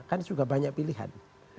kan juga banyak pilihan